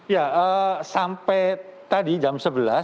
ya sampai tadi jam sebelas